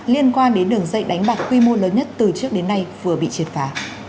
liên quan đến đường dây đánh bạc quy mô lớn nhất từ trước đến nay vừa bị triệt phá